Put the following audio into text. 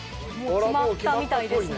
決まったみたいですね。